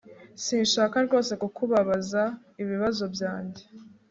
Sinshaka rwose kukubabaza ibibazo byanjye